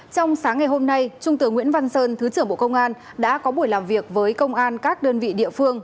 trong sáng ngày hôm nay trung tướng nguyễn văn sơn thứ trưởng bộ công an đã có buổi làm việc với công an các đơn vị địa phương